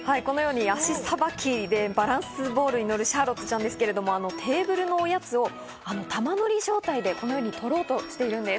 このように足さばきでバランスボールに乗るシャーロットちゃんですけどテーブルのおやつを球乗り状態でこのように取ろうとしているんです。